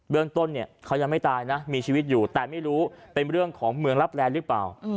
เรื่องต้นเนี่ยเขายังไม่ตายนะมีชีวิตอยู่แต่ไม่รู้เป็นเรื่องของเมืองรับแรงหรือเปล่า